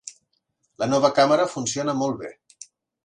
La nova càmera funciona molt bé.